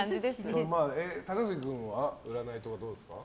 高杉君は占いとかどうですか？